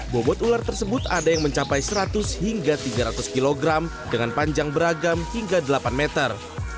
bobot ular tersebut ada yang mencapai seratus hingga tiga ratus kg dengan panjang beragam hingga delapan meter